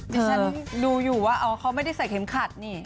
ที่ฉันดูอยู่ว่าอ๋อเขาไม่ได้ใส่เข็มขัดนี่